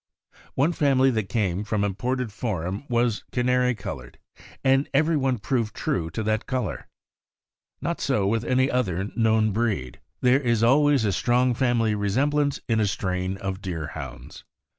One family that came from Imported Forum was canary colored, and every one proved true to that color. Not so with any other known breed. There is always a strong family resemblance in a strain of Deerhounds.